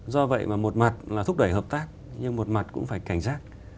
do vậy mà một mặt là thúc đẩy hợp tác nhưng một mặt cũng phải cảnh giác